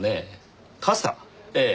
ええ。